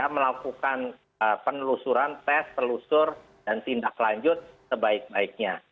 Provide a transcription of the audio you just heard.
melakukan penelusuran tes telusur dan tindak lanjut sebaik baiknya